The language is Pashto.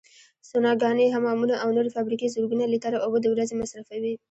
سوناګانې، حمامونه او نورې فابریکې زرګونه لیتره اوبو د ورځې مصرفوي.